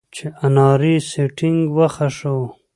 چا اناري سټینګ وڅښو.